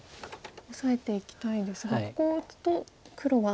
オサえていきたいですがここを打つと黒は。